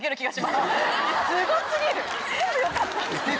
すご過ぎる！